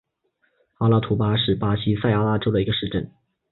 阿拉图巴是巴西塞阿拉州的一个市镇。